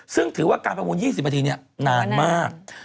ซึ่งถือว่าการประมูล๒๐นาทีนี้นานมาก